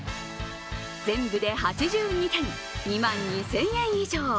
全部で８２点、２万２０００円以上。